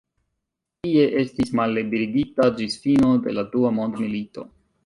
Tie estis malliberigita ĝis fino de la dua mondmilito.